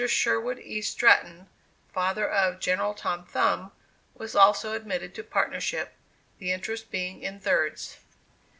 Sherwood E. Stratton, father of General Tom Thumb, was also admitted to partnership, the interest being in thirds.